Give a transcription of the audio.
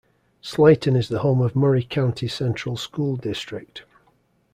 Slayton is the home of Murray County Central School District.